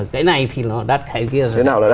cái này thì nó đắt cái kia rồi